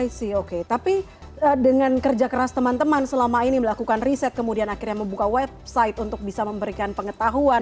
ic oke tapi dengan kerja keras teman teman selama ini melakukan riset kemudian akhirnya membuka website untuk bisa memberikan pengetahuan